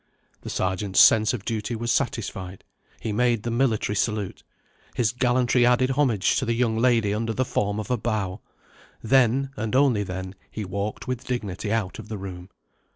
The Sergeant's sense of duty was satisfied. He made the military salute. His gallantry added homage to the young lady under the form of a bow. Then, and then only, he walked with dignity out of the room.